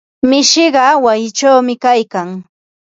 Mishiqa wayichawmi kaykan.